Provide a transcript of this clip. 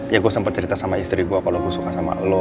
ya gue sempat cerita sama istri gue kalau gue suka sama lo